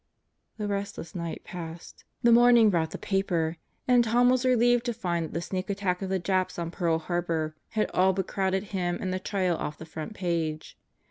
The restless night passed. The morning brought the paper and Tom was relieved to find that the sneak attack of the Japs on Pearl Harbor had all but crowded him and the trial off the front page.